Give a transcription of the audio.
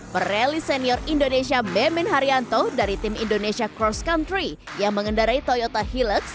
pereli senior indonesia bemin haryanto dari tim indonesia cross country yang mengendarai toyota hillex